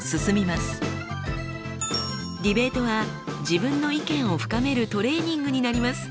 ディベートは自分の意見を深めるトレーニングになります。